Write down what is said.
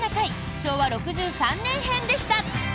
昭和６３年編でした。